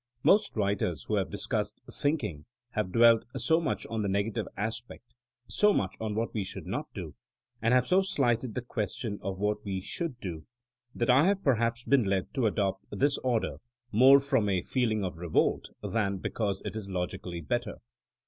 Most writers who have discussed thinking have dwelt so much on the negative aspect — so much on what we should not do — and have so slighted the question of what we should do, that I have per haps been led to adopt this order, more from a feeling of revolt than because it is logically bet ter.